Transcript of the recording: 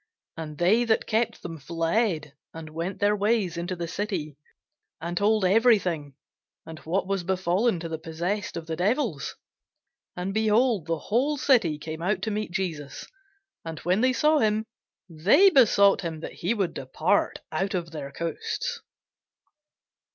And they that kept them fled, and went their ways into the city, and told every thing, and what was befallen to the possessed of the devils. And, behold, the whole city came out to meet Jesus: and when they saw him, they besought him that he would depart out of their coasts.